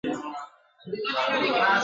یو سړی نسته چي ورکړي تعویذونه !.